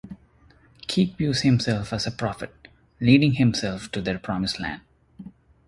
Keke views himself as a prophet, leading his people to their "promised land".